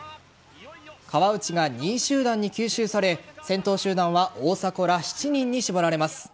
川内が２位集団に吸収され先頭集団は大迫ら７人に絞られます。